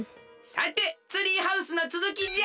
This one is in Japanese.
さてツリーハウスのつづきじゃ！